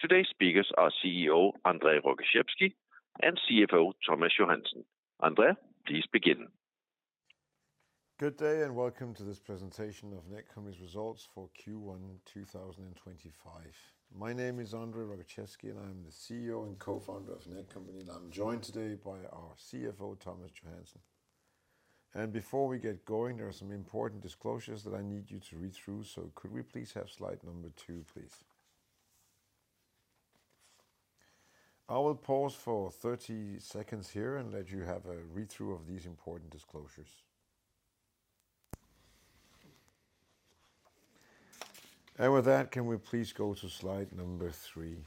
Today's speakers are CEO André Rogaczewski and CFO Thomas Johansen. André, please begin. Good day and welcome to this presentation of Netcompany's results for Q1 2025. My name is André Rogaczewski, and I am the CEO and co-founder of Netcompany. I'm joined today by our CFO, Thomas Johansen. Before we get going, there are some important disclosures that I need you to read through. Could we please have slide number two, please? I will pause for 30 seconds here and let you have a read-through of these important disclosures. With that, can we please go to slide number three?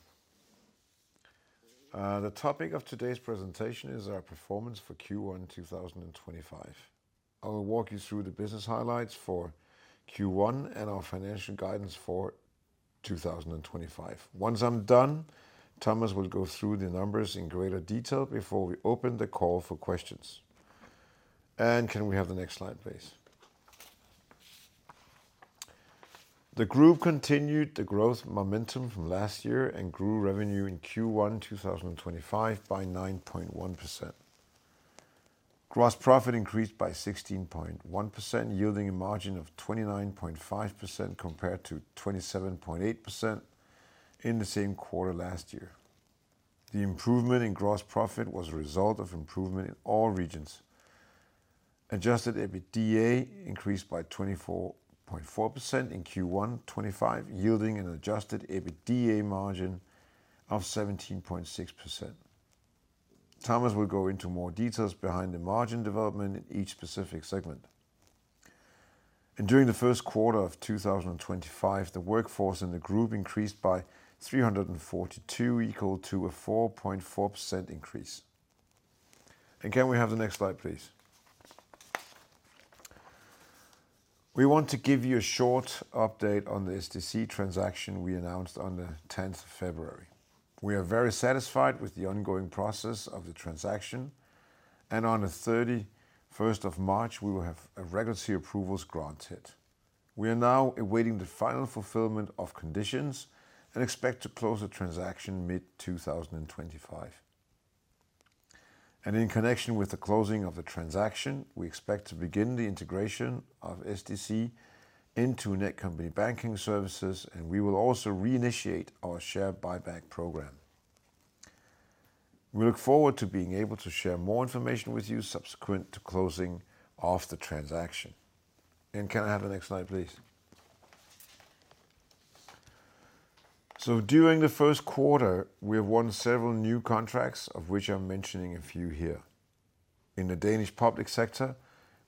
The topic of today's presentation is our performance for Q1 2025. I'll walk you through the business highlights for Q1 and our financial guidance for 2025. Once I'm done, Thomas will go through the numbers in greater detail before we open the call for questions. Can we have the next slide, please? The Group continued the growth momentum from last year and grew revenue in Q1 2025 by 9.1%. Gross profit increased by 16.1%, yielding a margin of 29.5% compared to 27.8% in the same quarter last year. The improvement in gross profit was a result of improvement in all regions. Adjusted EBITDA increased by 24.4% in Q1 2025, yielding an adjusted EBITDA margin of 17.6%. Thomas will go into more details behind the margin development in each specific segment. During the first quarter of 2025, the workforce in the Group increased by 342, equal to a 4.4% increase. Can we have the next slide, please? We want to give you a short update on the SDC transaction we announced on the 10th of February. We are very satisfied with the ongoing process of the transaction, and on the 31st of March, we will have regulatory approvals granted. We are now awaiting the final fulfillment of conditions and expect to close the transaction mid-2025. In connection with the closing of the transaction, we expect to begin the integration of SDC into Netcompany Banking Services, and we will also reinitiate our share buyback program. We look forward to being able to share more information with you subsequent to closing off the transaction. Can I have the next slide, please? During the first quarter, we have won several new contracts, of which I'm mentioning a few here. In the Danish public sector,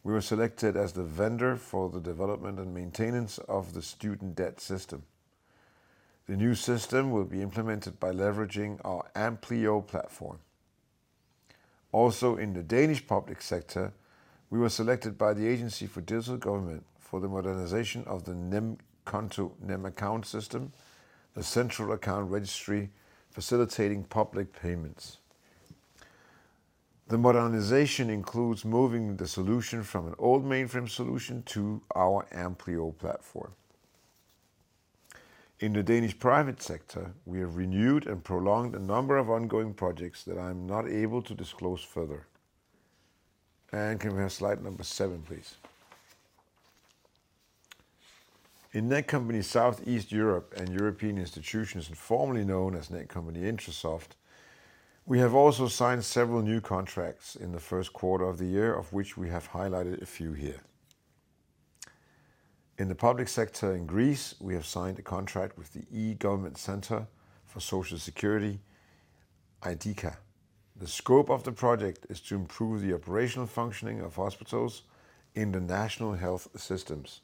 we were selected as the vendor for the development and maintenance of the student debt system. The new system will be implemented by leveraging our Amplio platform. Also, in the Danish public sector, we were selected by the Agency for Digital Government for the modernization of the NemKonto NemAccount system, the central account registry facilitating public payments. The modernization includes moving the solution from an old mainframe solution to our Amplio platform. In the Danish private sector, we have renewed and prolonged a number of ongoing projects that I'm not able to disclose further. Can we have slide number seven, please? In Netcompany Southeast Europe and European Institutions, formerly known as Netcompany-Intrasoft, we have also signed several new contracts in the first quarter of the year, of which we have highlighted a few here. In the public sector in Greece, we have signed a contract with the eGovernment Center for Social Security, IDIKA. The scope of the project is to improve the operational functioning of hospitals in the national health systems.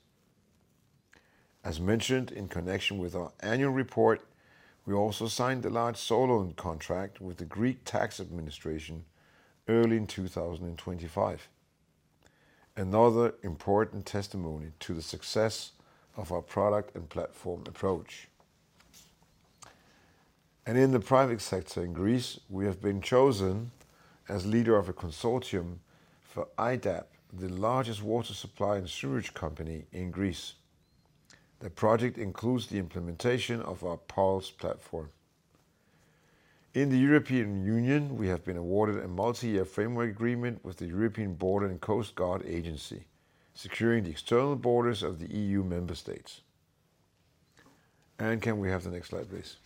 As mentioned in connection with our annual report, we also signed a large solo contract with the Greek tax administration early in 2025, another important testimony to the success of our product and platform approach. In the private sector in Greece, we have been chosen as leader of a consortium for EYDAP, the largest water supply and sewage company in Greece. The project includes the implementation of our Pulse platform. In the European Union, we have been awarded a multi-year framework agreement with the European Border and Coast Guard Agency, securing the external borders of the EU member states. Can we have the next slide, please?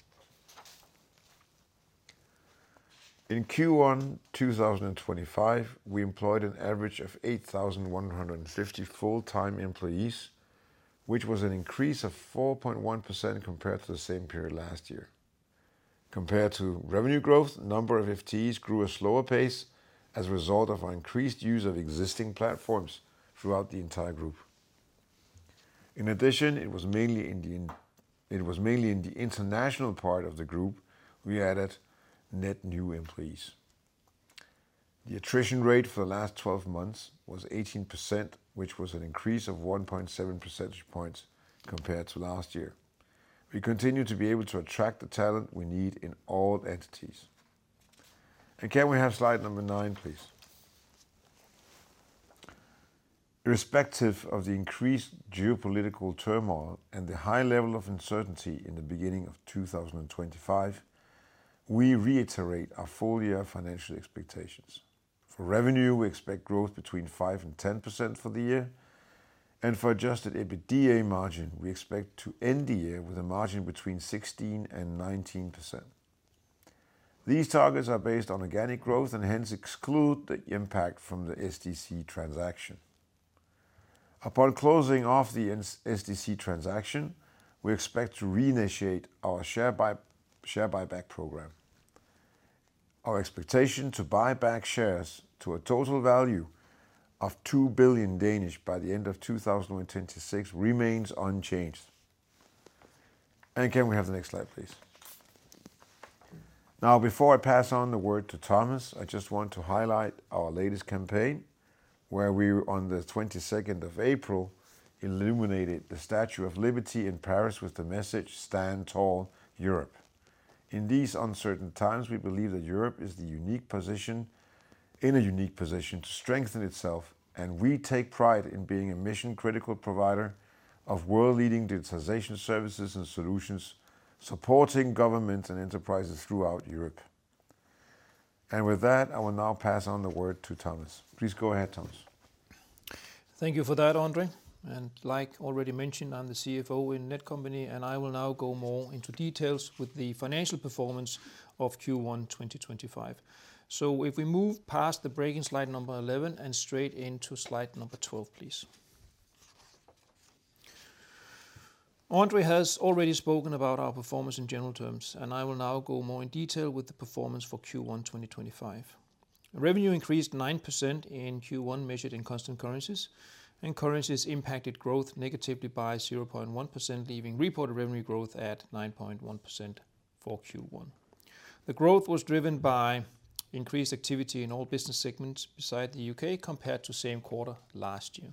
In Q1 2025, we employed an average of 8,150 full-time employees, which was an increase of 4.1% compared to the same period last year. Compared to revenue growth, the number of FTEs grew at a slower pace as a result of our increased use of existing platforms throughout the entire group. In addition, it was mainly in the international part of the group we added net new employees. The attrition rate for the last 12 months was 18%, which was an increase of 1.7 percentage points compared to last year. We continue to be able to attract the talent we need in all entities. Can we have slide number nine, please? Irrespective of the increased geopolitical turmoil and the high level of uncertainty in the beginning of 2025, we reiterate our full-year financial expectations. For revenue, we expect growth between 5% and 10% for the year, and for adjusted EBITDA margin, we expect to end the year with a margin between 16% and 19%. These targets are based on organic growth and hence exclude the impact from the SDC transaction. Upon closing off the SDC transaction, we expect to reinitiate our share buyback program. Our expectation to buy back shares to a total value of 2 billion by the end of 2026 remains unchanged. Can we have the next slide, please? Now, before I pass on the word to Thomas, I just want to highlight our latest campaign, where we on the 22nd of April illuminated the Statue of Liberty in Paris with the message, "Stand Tall, Europe." In these uncertain times, we believe that Europe is in a unique position to strengthen itself, and we take pride in being a mission-critical provider of world-leading digitization services and solutions supporting governments and enterprises throughout Europe. With that, I will now pass on the word to Thomas. Please go ahead, Thomas. Thank you for that, André. Like already mentioned, I'm the CFO in Netcompany and I will now go more into details with the financial performance of Q1 2025. If we move past the break slide number 11 and straight into slide number 12, please. André has already spoken about our performance in general terms, and I will now go more in detail with the performance for Q1 2025. Revenue increased 9% in Q1 measured in constant currencies, and currencies impacted growth negatively by 0.1%, leaving reported revenue growth at 9.1% for Q1. The growth was driven by increased activity in all business segments besides the U.K. compared to the same quarter last year.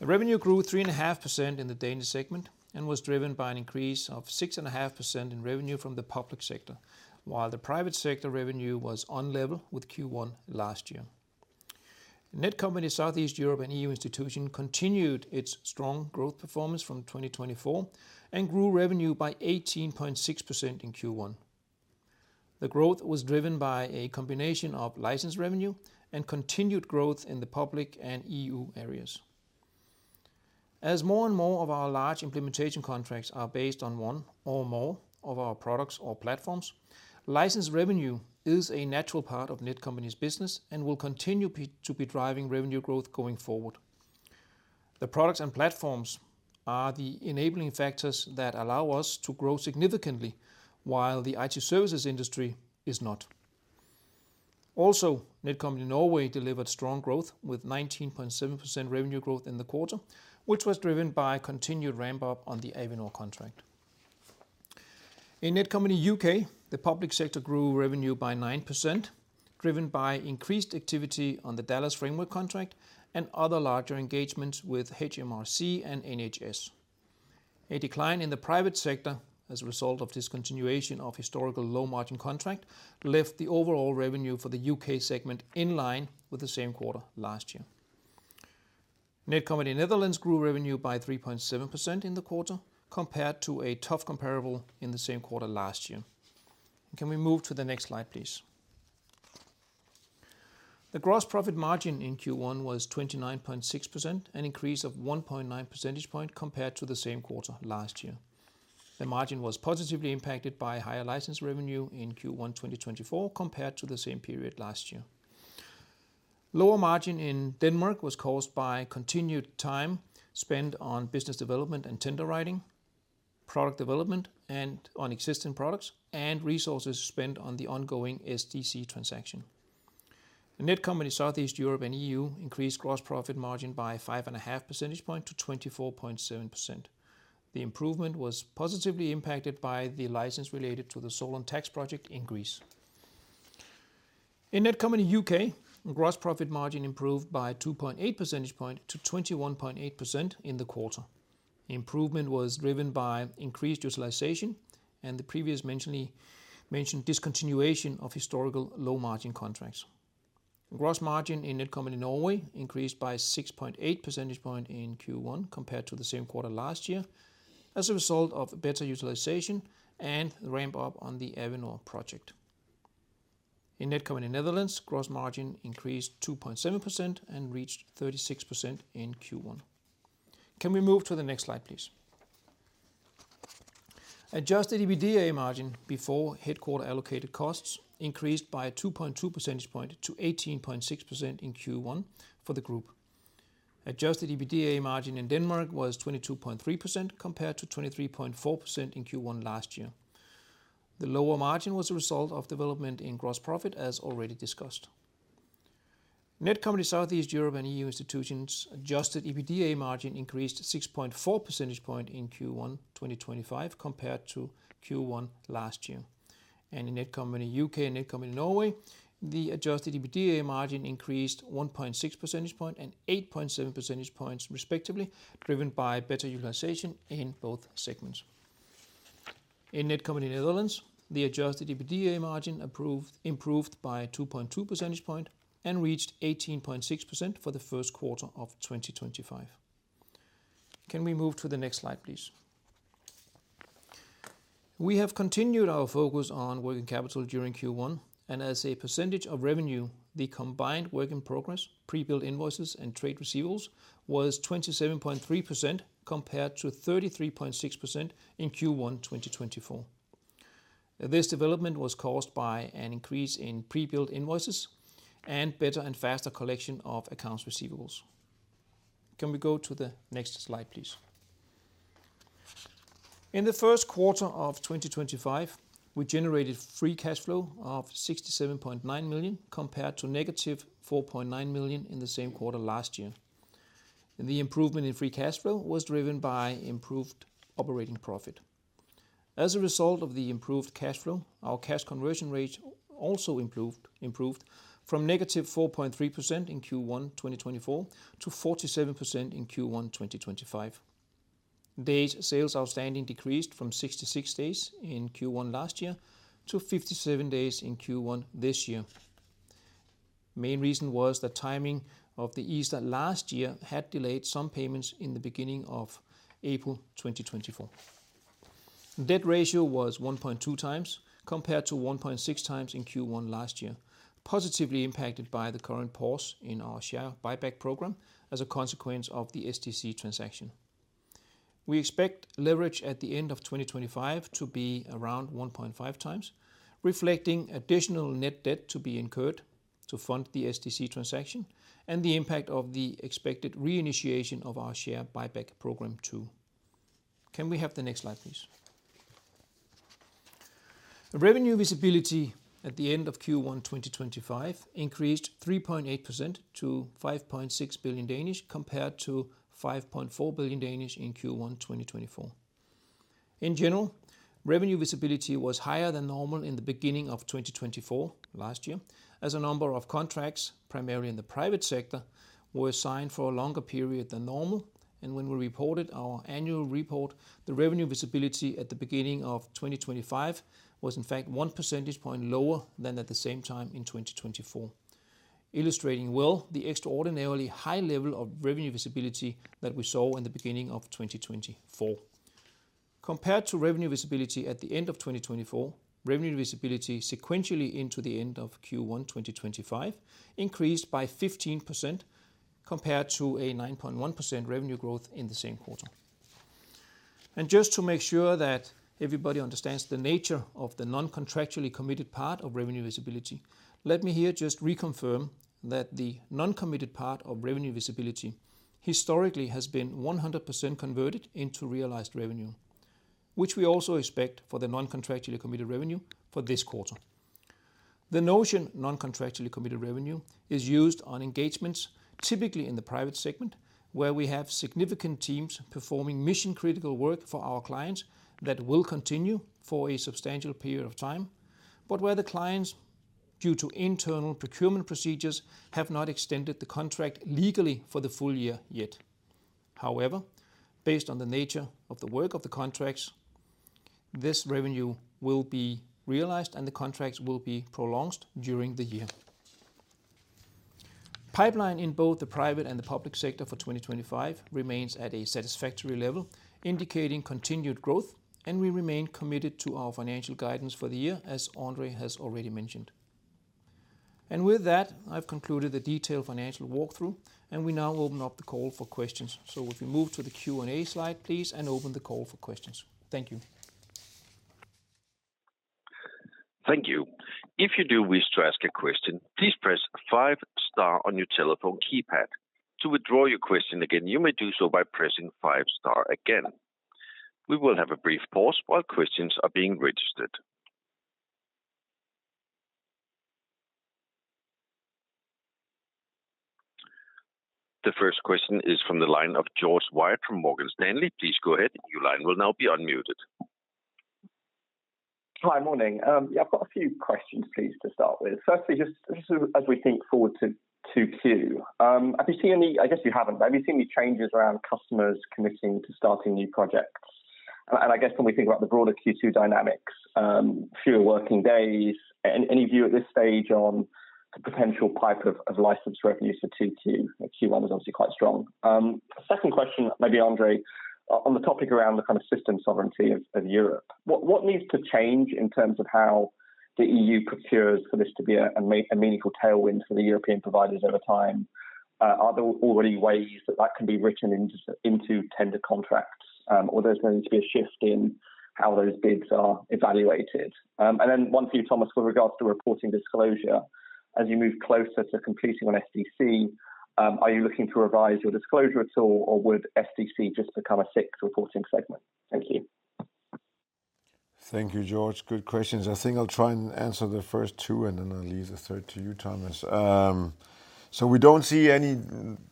Revenue grew 3.5% in the Danish segment and was driven by an increase of 6.5% in revenue from the public sector, while the private sector revenue was on level with Q1 last year. Netcompany Southeast Europe and European Institutions continued its strong growth performance from 2024 and grew revenue by 18.6% in Q1. The growth was driven by a combination of license revenue and continued growth in the public and EU areas. As more and more of our large implementation contracts are based on one or more of our products or platforms, license revenue is a natural part of Netcompany's business and will continue to be driving revenue growth going forward. The products and platforms are the enabling factors that allow us to grow significantly, while the IT services industry is not. Also, Netcompany Norway delivered strong growth with 19.7% revenue growth in the quarter, which was driven by continued ramp-up on the Avinor contract. In Netcompany UK, the public sector grew revenue by 9%, driven by increased activity on the DALAS Framework contract and other larger engagements with HMRC and NHS. A decline in the private sector as a result of discontinuation of historical low-margin contract left the overall revenue for the U.K. segment in line with the same quarter last year. Netcompany Netherlands grew revenue by 3.7% in the quarter compared to a tough comparable in the same quarter last year. Can we move to the next slide, please? The gross profit margin in Q1 was 29.6%, an increase of 1.9 percentage points compared to the same quarter last year. The margin was positively impacted by higher license revenue in Q1 2024 compared to the same period last year. Lower margin in Denmark was caused by continued time spent on business development and tender writing, product development on existing products, and resources spent on the ongoing SDC transaction. Netcompany Southeast Europe and EU increased gross profit margin by 5.5 percentage points to 24.7%. The improvement was positively impacted by the license related to the solo tax project in Greece. In Netcompany UK, gross profit margin improved by 2.8 percentage points to 21.8% in the quarter. Improvement was driven by increased utilization and the previously mentioned discontinuation of historical low-margin contracts. Gross margin in Netcompany Norway increased by 6.8 percentage points in Q1 compared to the same quarter last year as a result of better utilization and ramp-up on the Avinor project. In Netcompany Netherlands, gross margin increased 2.7% and reached 36% in Q1. Can we move to the next slide, please? Adjusted EBITDA margin before headquarter allocated costs increased by 2.2 percentage points to 18.6% in Q1 for the Group. Adjusted EBITDA margin in Denmark was 22.3% compared to 23.4% in Q1 last year. The lower margin was a result of development in gross profit, as already discussed. Netcompany Southeast Europe and European Institutions' adjusted EBITDA margin increased 6.4 percentage points in Q1 2025 compared to Q1 last year. In Netcompany UK and Netcompany Norway, the adjusted EBITDA margin increased 1.6 percentage points and 8.7 percentage points respectively, driven by better utilization in both segments. In Netcompany Netherlands, the adjusted EBITDA margin improved by 2.2 percentage points and reached 18.6% for the first quarter of 2025. Can we move to the next slide, please? We have continued our focus on working capital during Q1, and as a percentage of revenue, the combined work in progress, pre-billed invoices, and trade receivables was 27.3% compared to 33.6% in Q1 2024. This development was caused by an increase in pre-billed invoices and better and faster collection of accounts receivables. Can we go to the next slide, please? In the first quarter of 2025, we generated free cash flow of 67.9 million compared to negative 4.9 million in the same quarter last year. The improvement in free cash flow was driven by improved operating profit. As a result of the improved cash flow, our cash conversion rate also improved from negative 4.3% in Q1 2024 to 47% in Q1 2025. Days sales outstanding decreased from 66 days in Q1 last year to 57 days in Q1 this year. The main reason was the timing of the Easter last year had delayed some payments in the beginning of April 2024. Debt ratio was 1.2 times compared to 1.6 times in Q1 last year, positively impacted by the current pause in our share buyback program as a consequence of the SDC transaction. We expect leverage at the end of 2025 to be around 1.5 times, reflecting additional net debt to be incurred to fund the SDC transaction and the impact of the expected reinitiation of our share buyback program too. Can we have the next slide, please? Revenue visibility at the end of Q1 2025 increased 3.8% to 5.6 billion compared to 5.4 billion in Q1 2024. In general, revenue visibility was higher than normal in the beginning of 2024 last year as a number of contracts, primarily in the private sector, were signed for a longer period than normal. When we reported our annual report, the revenue visibility at the beginning of 2025 was, in fact, one percentage point lower than at the same time in 2024, illustrating well the extraordinarily high level of revenue visibility that we saw in the beginning of 2024. Compared to revenue visibility at the end of 2024, revenue visibility sequentially into the end of Q1 2025 increased by 15% compared to a 9.1% revenue growth in the same quarter. Just to make sure that everybody understands the nature of the non-contractually committed part of revenue visibility, let me here just reconfirm that the non-committed part of revenue visibility historically has been 100% converted into realized revenue, which we also expect for the non-contractually committed revenue for this quarter. The notion of non-contractually committed revenue is used on engagements typically in the private segment where we have significant teams performing mission-critical work for our clients that will continue for a substantial period of time, but where the clients, due to internal procurement procedures, have not extended the contract legally for the full year yet. However, based on the nature of the work of the contracts, this revenue will be realized and the contracts will be prolonged during the year. Pipeline in both the private and the public sector for 2025 remains at a satisfactory level, indicating continued growth, and we remain committed to our financial guidance for the year, as André has already mentioned. With that, I've concluded the detailed financial walkthrough, and we now open up the call for questions. If we move to the Q&A slide, please, and open the call for questions. Thank you. Thank you. If you do wish to ask a question, please press five-star on your telephone keypad. To withdraw your question again, you may do so by pressing five-star again. We will have a brief pause while questions are being registered. The first question is from the line of George Wyatt from Morgan Stanley. Please go ahead. Your line will now be unmuted. Hi, morning. I've got a few questions, please, to start with. Firstly, just as we think forward to Q2, have you seen any—I guess you haven't—but have you seen any changes around customers committing to starting new projects? I guess when we think about the broader Q2 dynamics, fewer working days, any view at this stage on the potential pipe of license revenue for Q2? Q1 was obviously quite strong. Second question, maybe, André, on the topic around the kind of system sovereignty of Europe. What needs to change in terms of how the EU procures for this to be a meaningful tailwind for the European providers over time? Are there already ways that that can be written into tender contracts, or there's going to be a shift in how those bids are evaluated? One for you, Thomas, with regards to reporting disclosure. As you move closer to completing on SDC, are you looking to revise your disclosure at all, or would SDC just become a sixth reporting segment? Thank you. Thank you, George. Good questions. I think I'll try and answer the first two and then I'll leave the third to you, Thomas. We don't see any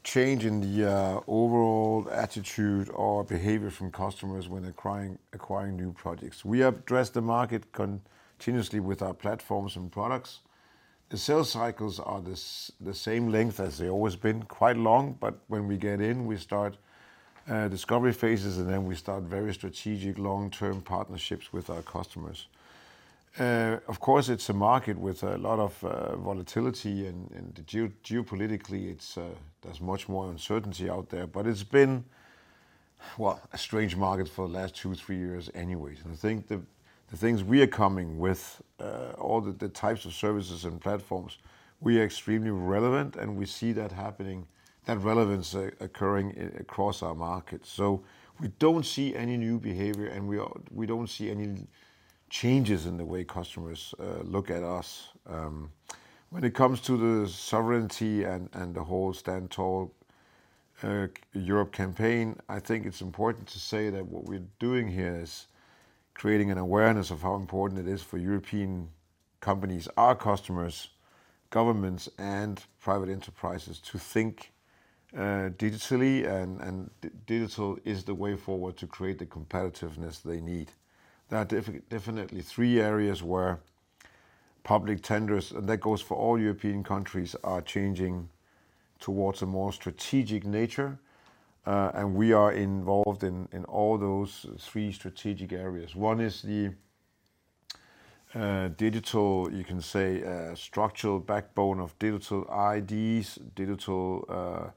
change in the overall attitude or behavior from customers when acquiring new projects. We have dressed the market continuously with our platforms and products. The sales cycles are the same length as they've always been, quite long, but when we get in, we start discovery phases, and then we start very strategic long-term partnerships with our customers. Of course, it's a market with a lot of volatility, and geopolitically, there's much more uncertainty out there, but it's been a strange market for the last two, three years anyway. I think the things we are coming with, all the types of services and platforms, we are extremely relevant, and we see that relevance occurring across our market. We do not see any new behavior, and we do not see any changes in the way customers look at us. When it comes to the sovereignty and the whole Stand Tall Europe campaign, I think it is important to say that what we are doing here is creating an awareness of how important it is for European companies, our customers, governments, and private enterprises to think digitally, and digital is the way forward to create the competitiveness they need. There are definitely three areas where public tenders, and that goes for all European countries, are changing towards a more strategic nature, and we are involved in all those three strategic areas. One is the digital, you can say, structural backbone of digital IDs, digital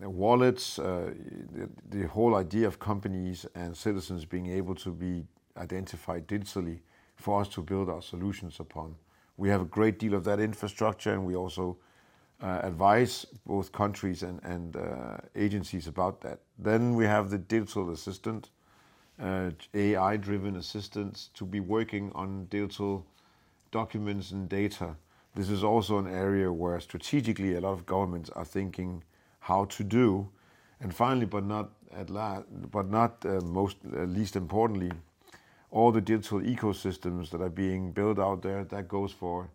wallets, the whole idea of companies and citizens being able to be identified digitally for us to build our solutions upon. We have a great deal of that infrastructure, and we also advise both countries and agencies about that. We have the digital assistant, AI-driven assistants, to be working on digital documents and data. This is also an area where strategically a lot of governments are thinking how to do. Finally, but not least importantly, all the digital ecosystems that are being built out there, that goes for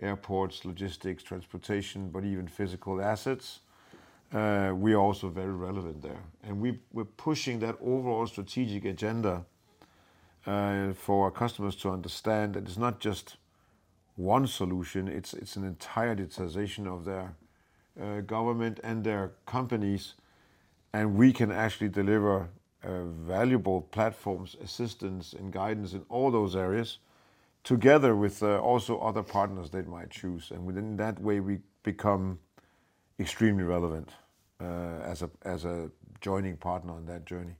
airports, logistics, transportation, but even physical assets, we are also very relevant there. We're pushing that overall strategic agenda for our customers to understand that it's not just one solution, it's an entire digitization of their government and their companies, and we can actually deliver valuable platforms, assistance, and guidance in all those areas together with also other partners they might choose. Within that way, we become extremely relevant as a joining partner on that journey.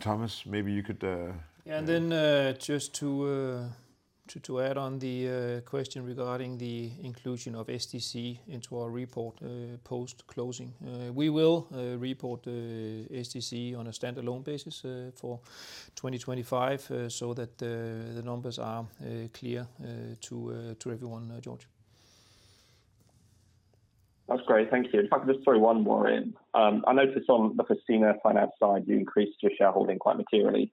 Thomas, maybe you could. Just to add on the question regarding the inclusion of SDC into our report post-closing, we will report SDC on a standalone basis for 2025 so that the numbers are clear to everyone, George. That's great. Thank you. If I could just throw one more in. I noticed on the Festina Finance side, you increased your shareholding quite materially.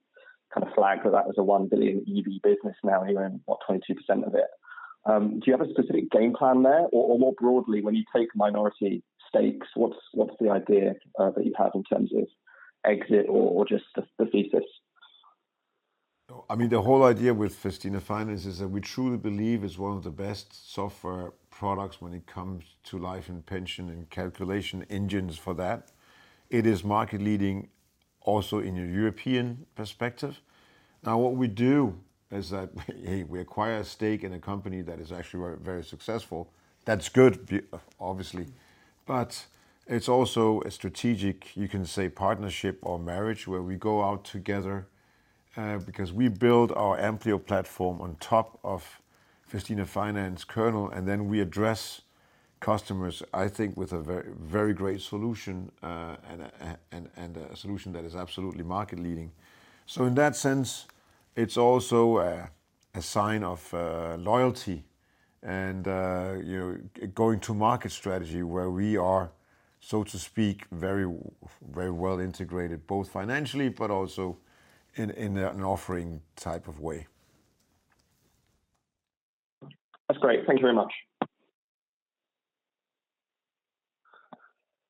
Kind of flagged that as a 1 billion DKK EV business now, you're in, what, 22% of it. Do you have a specific game plan there? Or more broadly, when you take minority stakes, what's the idea that you have in terms of exit or just the thesis? I mean, the whole idea with Festina Finance is that we truly believe it's one of the best software products when it comes to life and pension and calculation engines for that. It is market-leading also in a European perspective. Now, what we do is that we acquire a stake in a company that is actually very successful. That's good, obviously, but it's also a strategic, you can say, partnership or marriage where we go out together because we build our Amplio platform on top of Festina Finance kernel, and then we address customers, I think, with a very great solution and a solution that is absolutely market-leading. In that sense, it's also a sign of loyalty and going to market strategy where we are, so to speak, very well integrated both financially, but also in an offering type of way. That's great. Thank you very much.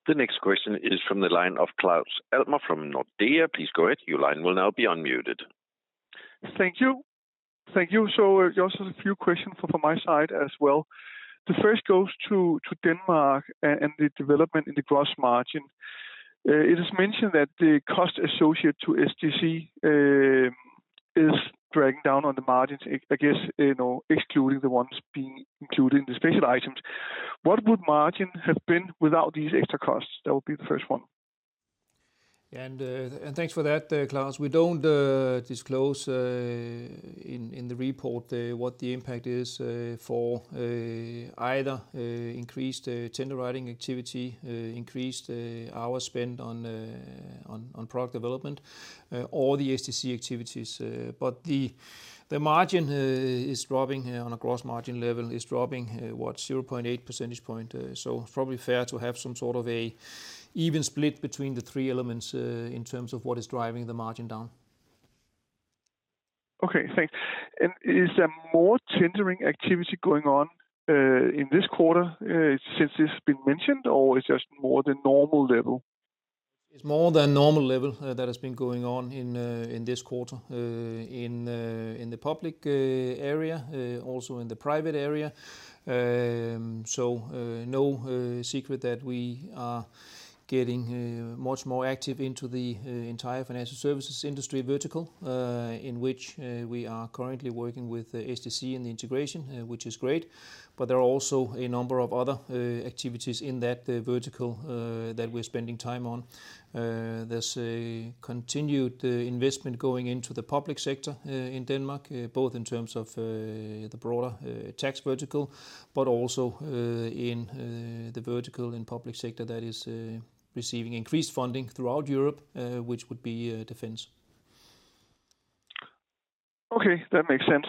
The next question is from the line of Claus Almer from Nordea. Please go ahead. Your line will now be unmuted. Thank you. Thank you. There are a few questions from my side as well. The first goes to Denmark and the development in the gross margin. It is mentioned that the cost associated to SDC is dragging down on the margins, I guess, excluding the ones being included in the special items. What would margin have been without these extra costs? That would be the first one. Thanks for that, Claus. We do not disclose in the report what the impact is for either increased tender writing activity, increased our spend on product development, or the SDC activities. The margin is dropping on a gross margin level, is dropping, what, 0.8 percentage points. It is probably fair to have some sort of an even split between the three elements in terms of what is driving the margin down. Okay. Thanks. Is there more tendering activity going on in this quarter since this has been mentioned, or is it just more than normal level? It's more than normal level that has been going on in this quarter in the public area, also in the private area. No secret that we are getting much more active into the entire financial services industry vertical in which we are currently working with SDC and the integration, which is great. There are also a number of other activities in that vertical that we're spending time on. There's continued investment going into the public sector in Denmark, both in terms of the broader tax vertical, but also in the vertical in public sector that is receiving increased funding throughout Europe, which would be defense. Okay. That makes sense.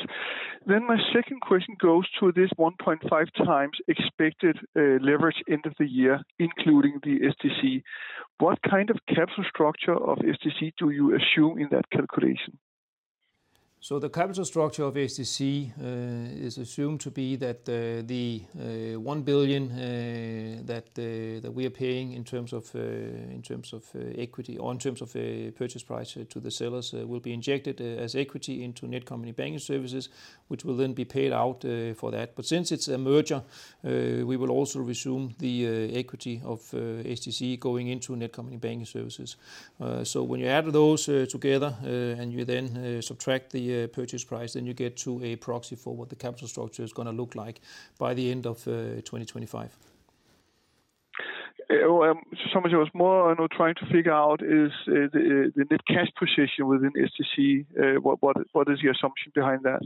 My second question goes to this 1.5 times expected leverage end of the year, including the SDC. What kind of capital structure of SDC do you assume in that calculation? The capital structure of SDC is assumed to be that the one billion that we are paying in terms of equity or in terms of purchase price to the sellers will be injected as equity into Netcompany Banking Services, which will then be paid out for that. Since it is a merger, we will also resume the equity of SDC going into Netcompany Banking Services. When you add those together and you then subtract the purchase price, you get to a proxy for what the capital structure is going to look like by the end of 2025. Thomas, what I was trying to figure out is the net cash position within SDC. What is the assumption behind that?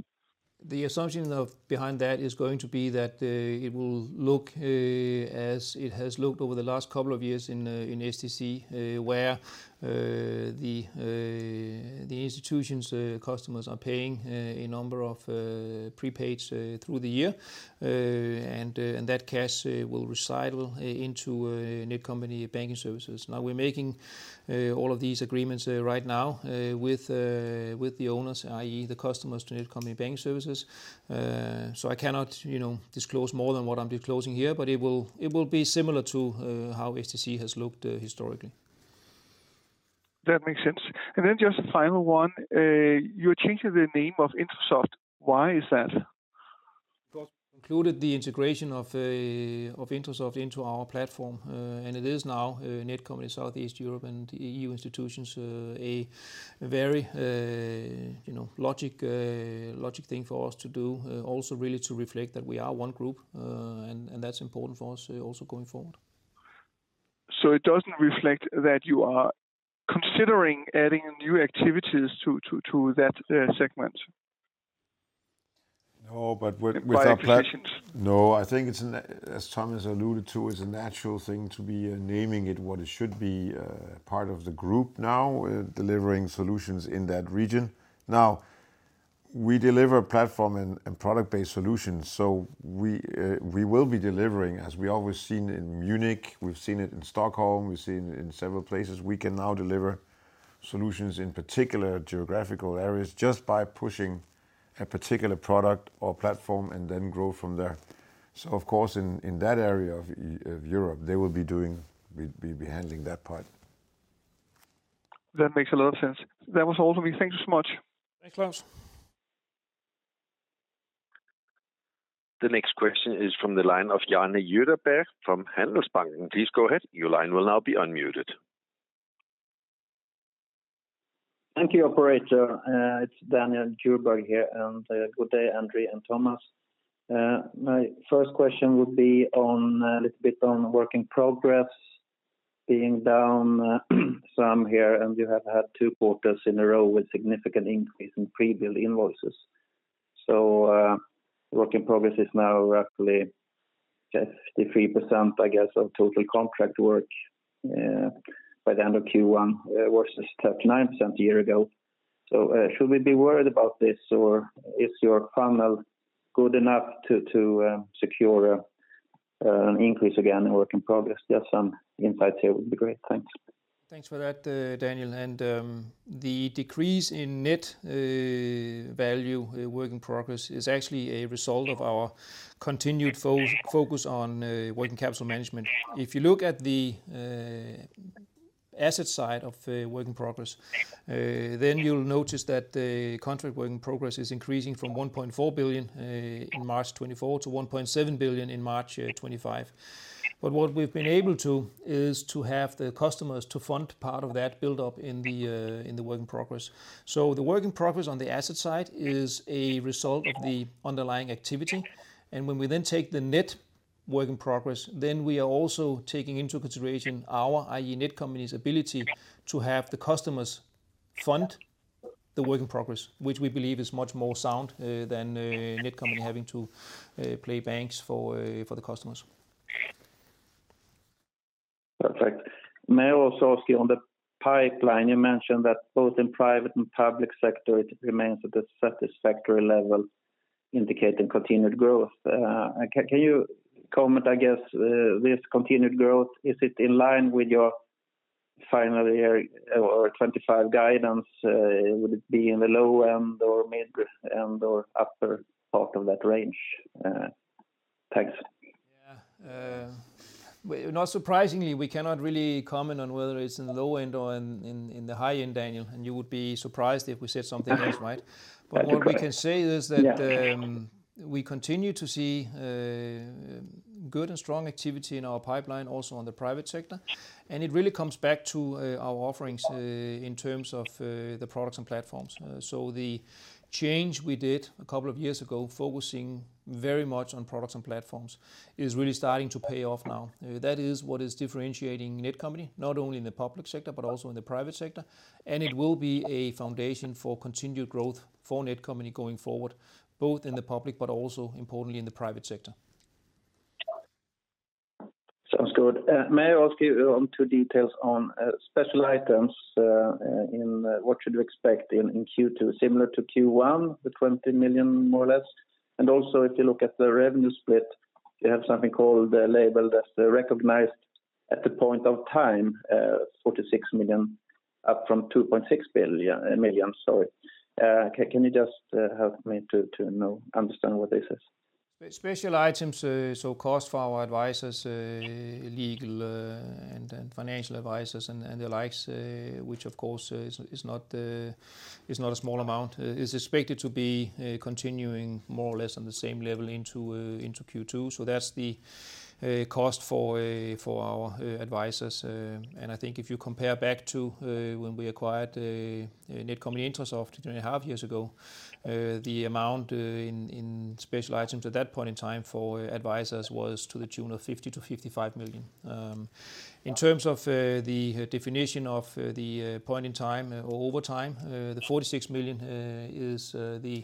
The assumption behind that is going to be that it will look as it has looked over the last couple of years in SDC, where the institutions' customers are paying a number of prepaid through the year, and that cash will reside into Netcompany Banking Services. Now, we're making all of these agreements right now with the owners, i.e., the customers to Netcompany Banking Services. I cannot disclose more than what I'm disclosing here, but it will be similar to how SDC has looked historically. That makes sense. Just a final one. You're changing the name of Intrasoft. Why is that? Because we concluded the integration of Intrasoft into our platform, and it is now Netcompany Southeast Europe and EU institutions, a very logic thing for us to do, also really to reflect that we are one group, and that's important for us also going forward. It doesn't reflect that you are considering adding new activities to that segment? No, but with our platform. That's my question. No, I think, as Thomas alluded to, it's a natural thing to be naming it what it should be, part of the group now delivering solutions in that region. Now, we deliver platform and product-based solutions. We will be delivering, as we always seen in Munich, we've seen it in Stockholm, we've seen it in several places. We can now deliver solutions in particular geographical areas just by pushing a particular product or platform and then grow from there. Of course, in that area of Europe, they will be handling that part. That makes a lot of sense. That was all for me. Thank you so much. Thanks, Claus. The next question is from the line of Daniel Djurberg from Handelsbanken. Please go ahead. Your line will now be unmuted. Thank you, Operator. It's Daniel Djurberg here, and good day, André and Thomas. My first question would be a little bit on work in progress being down some here, and you have had two quarters in a row with significant increase in pre-billed invoices. Work in progress is now roughly 53% of total contract work by the end of Q1 versus 39% a year ago. Should we be worried about this, or is your funnel good enough to secure an increase again in work in progress? Just some insights here would be great. Thanks. Thanks for that, Daniel. The decrease in net value work in progress is actually a result of our continued focus on working capital management. If you look at the asset side of work in progress, then you'll notice that contract work in progress is increasing from 1.4 billion in March 2024 to 1.7 billion in March 2025. What we've been able to do is to have the customers to fund part of that build-up in the work in progress. The work in progress on the asset side is a result of the underlying activity. When we then take the net work in progress, then we are also taking into consideration our, i.e., Netcompany's ability to have the customers fund the work in progress, which we believe is much more sound than Netcompany having to play banks for the customers. Perfect. André Rogaczewski, on the pipeline, you mentioned that both in private and public sector, it remains at a satisfactory level indicating continued growth. Can you comment, I guess, this continued growth, is it in line with your final year or 2025 guidance? Would it be in the low end or mid end or upper part of that range? Thanks. Yeah. Not surprisingly, we cannot really comment on whether it's in the low end or in the high end, Daniel, and you would be surprised if we said something else, right? What we can say is that we continue to see good and strong activity in our pipeline, also on the private sector, and it really comes back to our offerings in terms of the products and platforms. The change we did a couple of years ago, focusing very much on products and platforms, is really starting to pay off now. That is what is differentiating Netcompany, not only in the public sector, but also in the private sector, and it will be a foundation for continued growth for Netcompany going forward, both in the public, but also importantly in the private sector. Sounds good. May I ask you two details on special items in what should we expect in Q2, similar to Q1, the 20 million more or less? Also, if you look at the revenue split, you have something called labeled as recognized at the point in time, 46 million, up from 2.6 billion. Can you just help me to understand what this is? Special items, so cost for our advisors, legal and financial advisors and the likes, which of course is not a small amount, is expected to be continuing more or less on the same level into Q2. That is the cost for our advisors. I think if you compare back to when we acquired Netcompany-Intrasoft two and a half years ago, the amount in special items at that point in time for advisors was to the tune of 50 million-55 million. In terms of the definition of the point in time or over time, the 46 million is the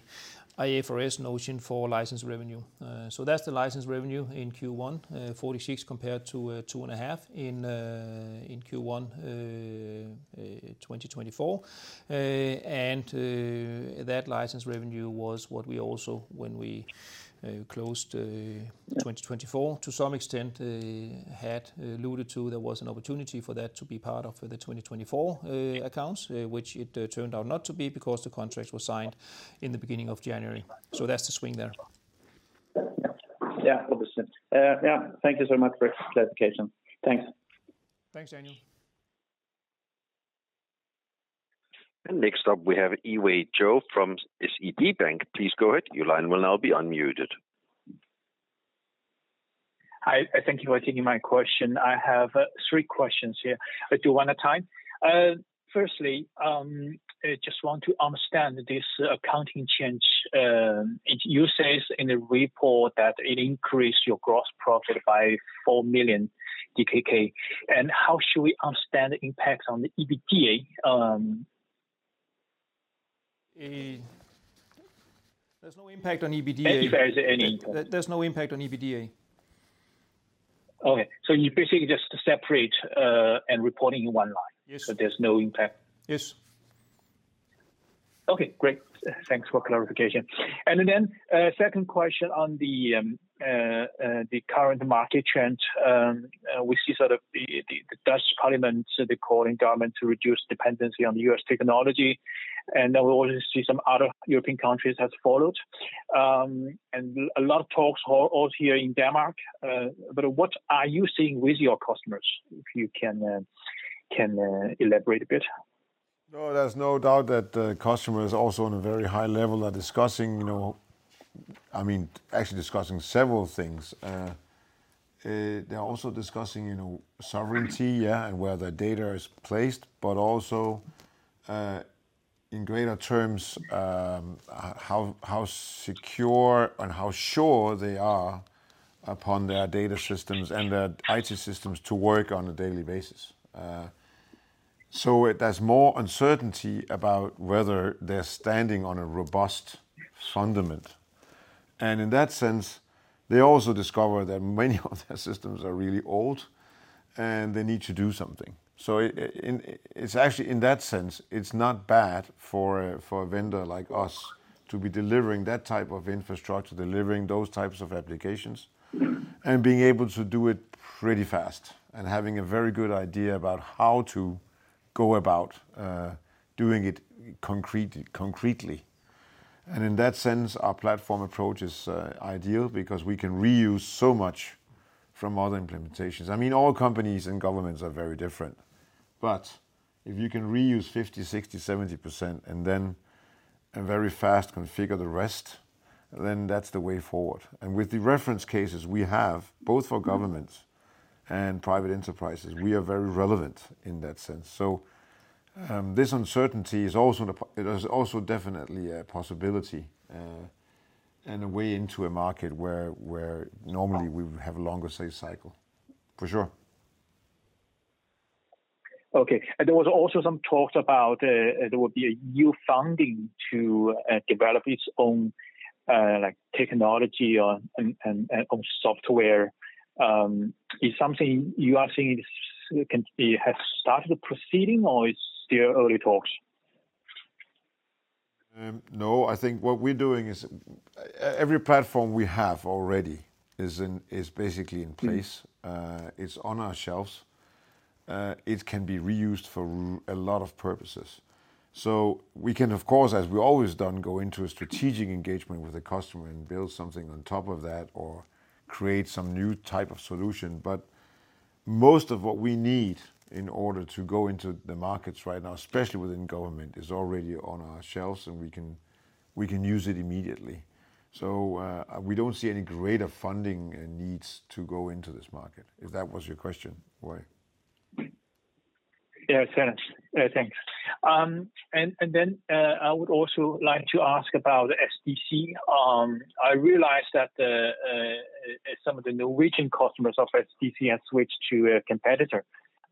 IFRS notion for license revenue. That is the license revenue in Q1, 46 million compared to 2.5 million in Q1 2024. That license revenue was what we also, when we closed 2024, to some extent had alluded to there was an opportunity for that to be part of the 2024 accounts, which it turned out not to be because the contracts were signed in the beginning of January. That is the swing there. Yeah. Thank you so much for clarification. Thanks. Thanks, Daniel. Next up, we have Yiwei Zhou from SEB Bank. Please go ahead. Your line will now be unmuted. Hi. Thank you for taking my question. I have three questions here. I'll do one at a time. Firstly, I just want to understand this accounting change. You say in the report that it increased your gross profit by 4 million DKK. How should we understand the impact on the EBITDA? There's no impact on EBITDA. Thank you, Andre. There's no impact on EBITDA. Okay. You're basically just separate and reporting in one line. Yes. There's no impact. Yes. Okay. Great. Thanks for clarification. Second question on the current market trend. We see the Dutch parliament calling government to reduce dependency on the U.S. technology, and we also see some other European countries have followed. A lot of talks are also here in Denmark. What are you seeing with your customers? If you can elaborate a bit. There's no doubt that the customers also on a very high level are discussing, actually discussing several things. They're also discussing sovereignty, yeah, and where the data is placed, but also in greater terms how secure and how sure they are upon their data systems and their IT systems to work on a daily basis. There's more uncertainty about whether they're standing on a robust fundament. In that sense, they also discover that many of their systems are really old and they need to do something. Actually, in that sense, it's not bad for a vendor like us to be delivering that type of infrastructure, delivering those types of applications, and being able to do it pretty fast, and having a very good idea about how to go about doing it concretely. In that sense, our platform approach is ideal because we can reuse so much from other implementations. All companies and governments are very different. If you can reuse 50%, 60%, 70%, and then very fast configure the rest, that is the way forward. With the reference cases we have, both for governments and private enterprises, we are very relevant in that sense. This uncertainty is also definitely a possibility and a way into a market where normally we have a longer sales cycle, for sure. Okay. There was also some talk about there would be a new funding to develop its own technology and software. Is something you are seeing has started proceeding or it's still early talks? No. I think what we're doing is every platform we have already is basically in place. It's on our shelves. It can be reused for a lot of purposes. We can, of course, as we've always done, go into a strategic engagement with the customer and build something on top of that or create some new type of solution. Most of what we need in order to go into the markets right now, especially within government, is already on our shelves, and we can use it immediately. We don't see any greater funding needs to go into this market. If that was your question, why? Yeah. Thanks. Then I would also like to ask about SDC. I realized that some of the Norwegian customers of SDC have switched to a competitor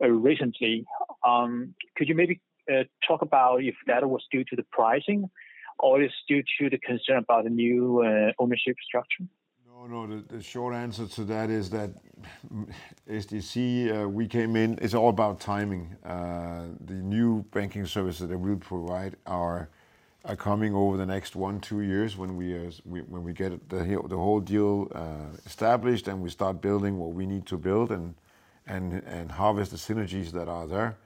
recently. Could you maybe talk about if that was due to the pricing or it's due to the concern about the new ownership structure? No, no. The short answer to that is that SDC, we came in, it's all about timing. The new banking services that we'll provide are coming over the next one, two years when we get the whole deal established and we start building what we need to build and harvest the synergies that are there.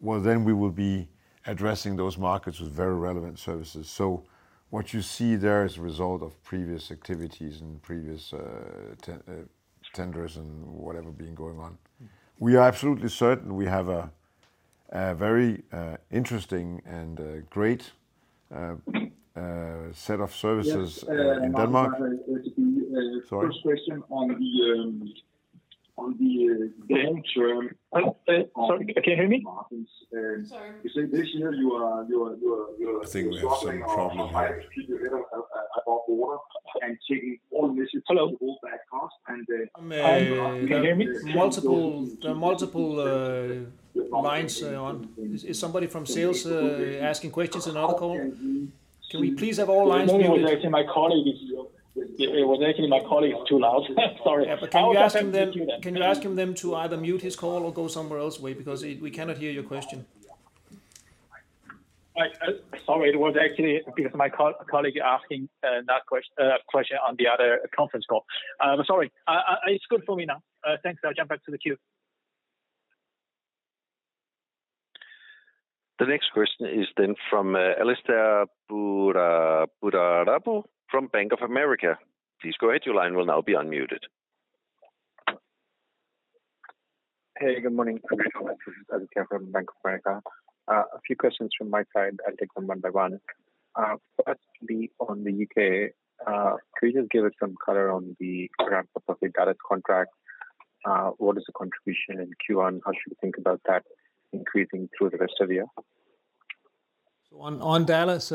We will be addressing those markets with very relevant services. What you see there is a result of previous activities and previous tenders and whatever being going on. We are absolutely certain we have a very interesting and great set of services in Denmark. Sorry. Can you hear me? Sorry. You say this year, you are. I think we have some problem here. taking all measures to hold back costs. You can hear me? Multiple lines on. Is somebody from sales asking questions in another call? Can we please have all lines muted? It was actually my colleague who's too loud. Sorry. Can you ask him then to either mute his call or go somewhere else because we cannot hear your question? Sorry. It was actually because my colleague asking that question on the other conference call. Sorry. It's good for me now. Thanks. I'll jump back to the queue. The next question is then from Alastair Borthwick from Bank of America. Please go ahead. Your line will now be unmuted. Hey. Good morning. I'm Alastair Borthwick from Bank of America. A few questions from my side. I'll take them one by one. Firstly, on the U.K., could you just give us some color on the grant for public DALAS contract? What is the contribution in Q1? How should we think about that increasing through the rest of the year? On DALAS,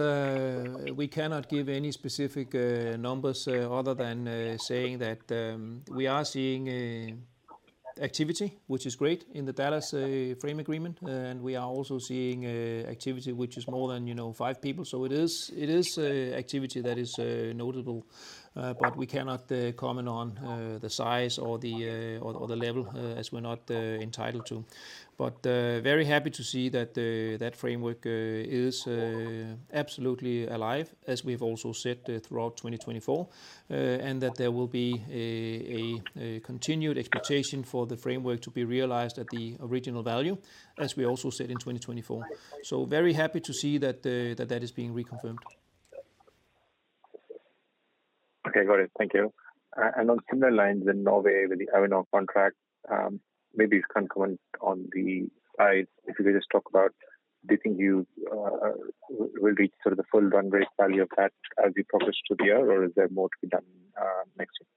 we cannot give any specific numbers other than saying that we are seeing activity, which is great in the DALAS frame agreement, and we are also seeing activity, which is more than five people. It is activity that is notable. We cannot comment on the size or the level as we're not entitled to. Very happy to see that that framework is absolutely alive, as we have also said throughout 2024, and that there will be a continued expectation for the framework to be realized at the original value, as we also said in 2024. Very happy to see that that is being reconfirmed. Okay. Got it. Thank you. On similar lines in Norway with the Avinor contract, maybe you can comment on the size. If you could just talk about do you think you will reach the full run rate value of that as you progress through the year, or is there more to be done next year?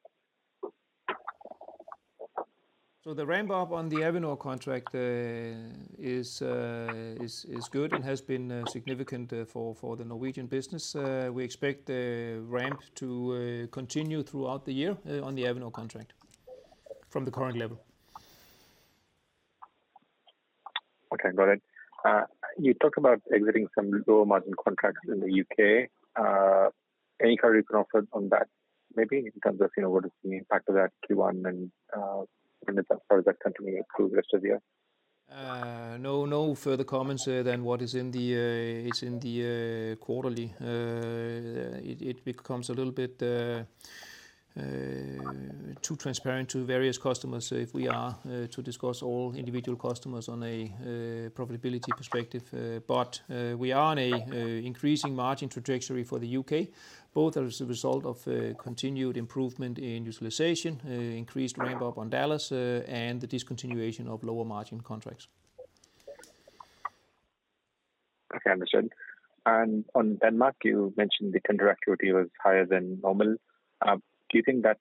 The ramp-up on the Avinor contract is good and has been significant for the Norwegian business. We expect the ramp to continue throughout the year on the Avinor contract from the current level. Okay. Got it. You talked about exiting some low margin contracts in the U.K. Any color you can offer on that maybe in terms of what is the impact of that Q1 and as far as that continues through the rest of the year? No, no further comments than what is in the quarterly. It becomes a little bit too transparent to various customers if we are to discuss all individual customers on a profitability perspective. We are on an increasing margin trajectory for the U.K., both as a result of continued improvement in utilization, increased ramp-up on DALAS, and the discontinuation of lower margin contracts. Okay. Understood. On Denmark, you mentioned the contract activity was higher than normal. Do you think that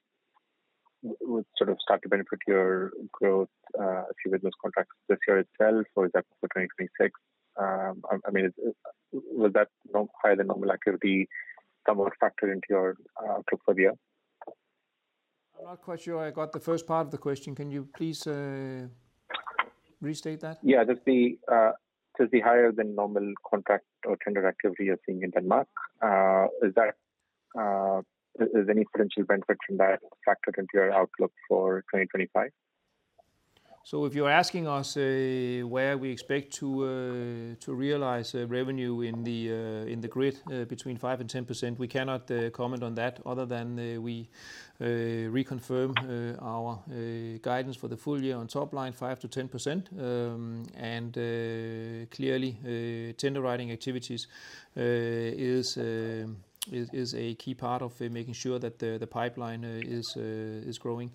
would start to benefit your growth if you get those contracts this year itself, or is that for 2026? Was that higher than normal activity somewhat factored into your outlook for the year? I'm not quite sure I got the first part of the question. Can you please restate that? Yeah. Does the higher than normal contract or tender activity you're seeing in Denmark, is there any potential benefit from that factored into your outlook for 2025? If you're asking us where we expect to realize revenue in the grid between 5% and 10%, we cannot comment on that other than we reconfirm our guidance for the full year on top line 5%-10%. Clearly, tender writing activities is a key part of making sure that the pipeline is growing.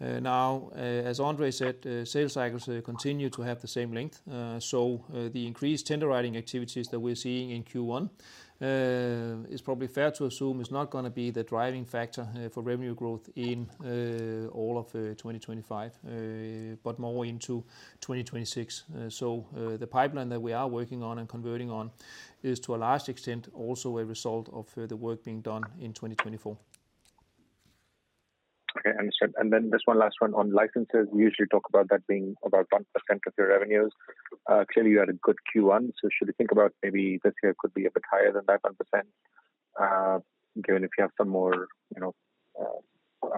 Now, as André said, sales cycles continue to have the same length. The increased tender writing activities that we're seeing in Q1 is probably fair to assume is not going to be the driving factor for revenue growth in all of 2025, but more into 2026. The pipeline that we are working on and converting on is, to a large extent, also a result of the work being done in 2024. Okay. Understood. Then just one last one on licenses. You usually talk about that being about 1% of your revenues. Clearly, you had a good Q1. Should you think about maybe this year could be a bit higher than that 1%, given if you have some more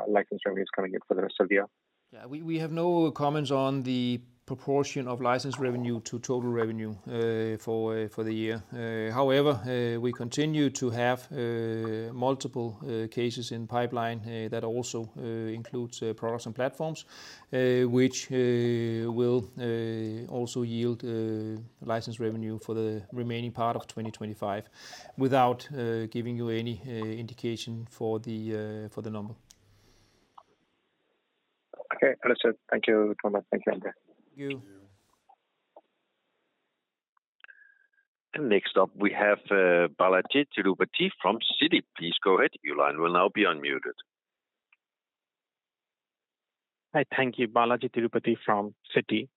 license revenues coming in for the rest of the year? Yeah. We have no comments on the proportion of license revenue to total revenue for the year. However, we continue to have multiple cases in pipeline that also include products and platforms, which will also yield license revenue for the remaining part of 2025 without giving you any indication for the number. Okay. Understood. Thank you so much. Thank you, André. Thank you. Next up, we have Balajee Tirupati from Citi. Please go ahead. Your line will now be unmuted. Hi. Thank you, Balajee Tirupati from Citi.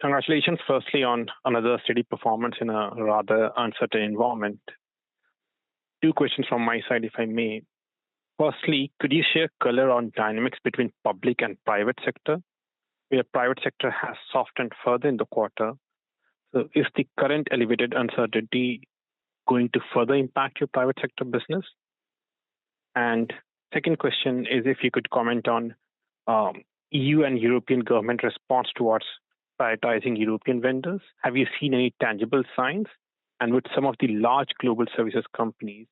Congratulations firstly on another steady performance in a rather uncertain environment. Two questions from my side, if I may. Firstly, could you share color on dynamics between public and private sector? The private sector has softened further in the quarter. Is the current elevated uncertainty going to further impact your private sector business? Second question is if you could comment on EU and European government response towards prioritizing European vendors. Have you seen any tangible signs? Would some of the large global services companies'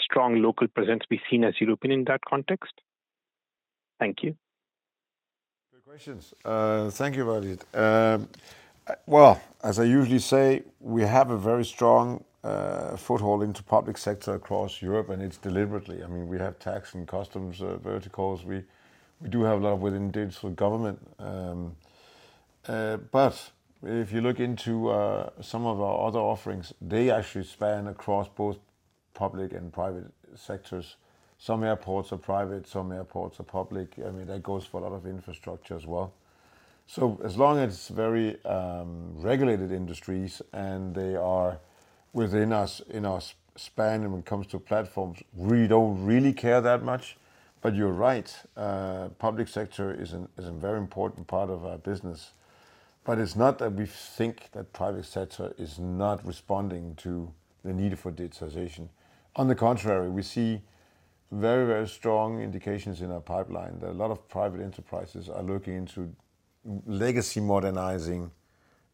strong local presence be seen as European in that context? Thank you. Good questions. Thank you, Balajee. As I usually say, we have a very strong foothold into public sector across Europe, and it is deliberately. We have tax and customs verticals. We do have a lot within digital government. If you look into some of our other offerings, they actually span across both public and private sectors. Some airports are private. Some airports are public. That goes for a lot of infrastructure as well. As long as it is very regulated industries and they are within our span when it comes to platforms, we do not really care that much. You are right. Public sector is a very important part of our business. It is not that we think that private sector is not responding to the need for digitization. On the contrary, we see very, very strong indications in our pipeline that a lot of private enterprises are looking into legacy modernizing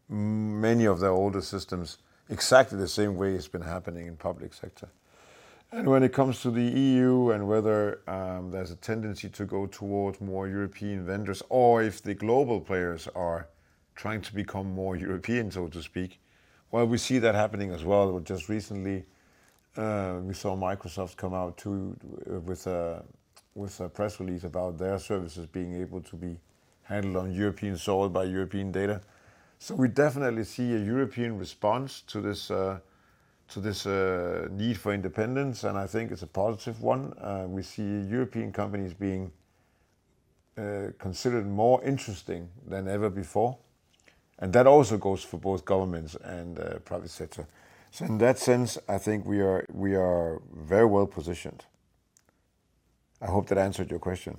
many of their older systems exactly the same way it's been happening in public sector. When it comes to the EU and whether there's a tendency to go towards more European vendors or if the global players are trying to become more European, so to speak, we see that happening as well. Just recently, we saw Microsoft come out with a press release about their services being able to be handled on European soil by European data. We definitely see a European response to this need for independence, and I think it's a positive one. We see European companies being considered more interesting than ever before. That also goes for both governments and private sector. In that sense, I think we are very well positioned. I hope that answered your question.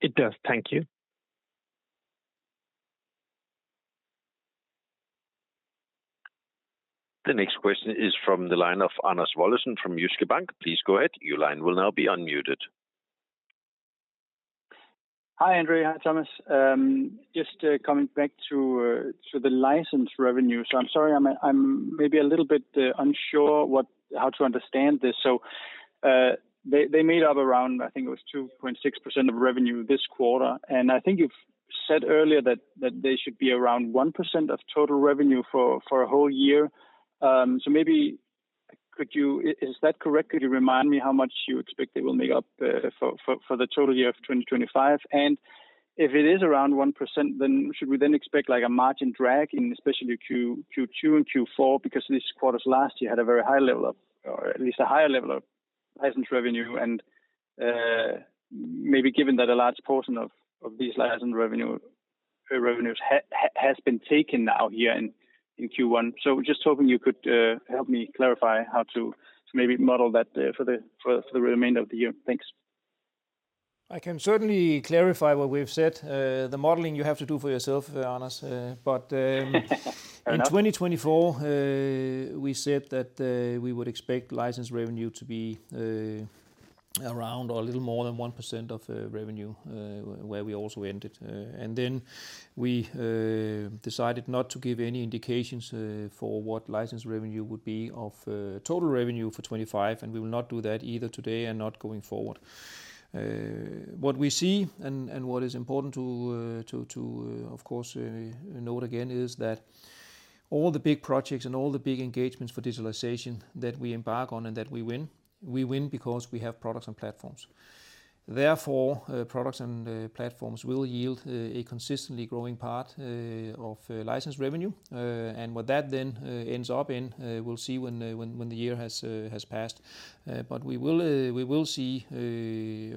It does. Thank you. The next question is from the line of Anders Olesen from Jyske Bank. Please go ahead. Your line will now be unmuted. Hi, André. Hi, Thomas. Just coming back to the license revenue. I'm sorry. I'm maybe a little bit unsure how to understand this. They made up around, I think it was 2.6% of revenue this quarter. I think you said earlier that they should be around 1% of total revenue for a whole year. Is that correct? Could you remind me how much you expect they will make up for the total year of 2025? If it is around 1%, should we then expect a margin drag in especially Q2 and Q4 because this quarter's last year had a very high level of, or at least a higher level of license revenue? Maybe given that a large portion of these license revenues has been taken now here in Q1. Just hoping you could help me clarify how to maybe model that for the remainder of the year. Thanks. I can certainly clarify what we've said. The modeling you have to do for yourself, Anders. In 2024, we said that we would expect license revenue to be around or a little more than 1% of revenue where we also ended. We decided not to give any indications for what license revenue would be of total revenue for 2025, and we will not do that either today and not going forward. What we see and what is important to, of course, note again is that all the big projects and all the big engagements for digitalization that we embark on and that we win, we win because we have products and platforms. Therefore, products and platforms will yield a consistently growing part of license revenue. What that then ends up in, we'll see when the year has passed. We will see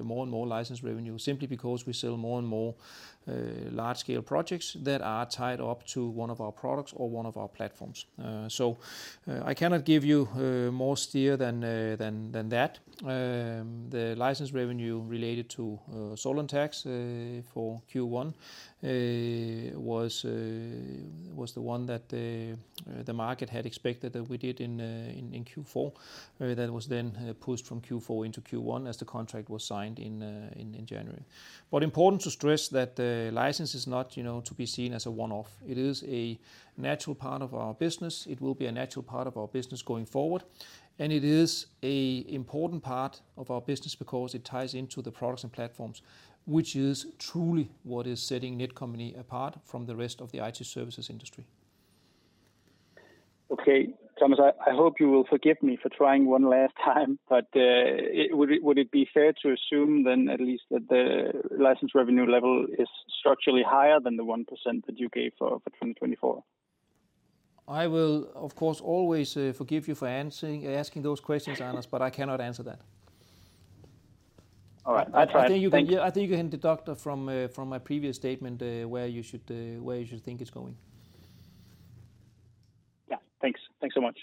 more and more license revenue simply because we sell more and more large-scale projects that are tied up to one of our products or one of our platforms. I cannot give you more steer than that. The license revenue related to Solo Tax for Q1 was the one that the market had expected that we did in Q4. That was then pushed from Q4 into Q1 as the contract was signed in January. It is important to stress that license is not to be seen as a one-off. It is a natural part of our business. It will be a natural part of our business going forward. It is an important part of our business because it ties into the products and platforms, which is truly what is setting Netcompany apart from the rest of the IT services industry. Okay. Thomas, I hope you will forgive me for trying one last time. Would it be fair to assume then at least that the license revenue level is structurally higher than the 1% that you gave for 2024? I will, of course, always forgive you for asking those questions, Anders, but I cannot answer that. All right. I tried. I think you can deduct from my previous statement where you should think it's going. Yeah. Thanks. Thanks so much.